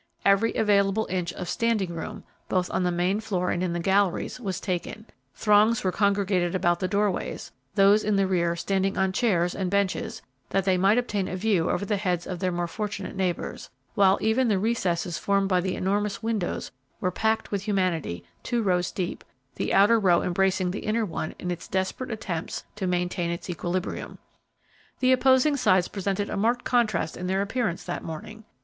Every available inch of standing room, both on the main floor and in the galleries, was taken; throngs were congregated about the doorways, those in the rear standing on chairs and benches that they might obtain a view over the heads of their more fortunate neighbors, while even the recesses formed by the enormous windows were packed with humanity, two rows deep, the outer row embracing the inner one in its desperate efforts to maintain its equilibrium. The opposing sides presented a marked contrast in their appearance that morning.